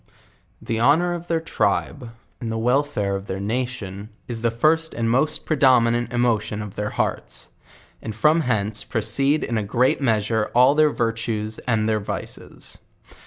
The honor of their tribe, and the wellfare of their nation, is the firdt and most predominant emotion of their hearts; nnd from hence proceed in a great measure all their virtues and their vices.